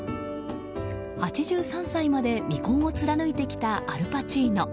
８３歳まで未婚を貫いてきたアル・パチーノ。